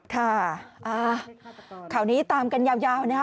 ค่ะข่าวนี้ตามกันยาวนะคะ